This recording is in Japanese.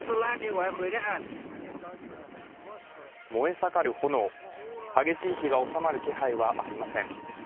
燃え盛る炎、激しい火が収まる気配はありません。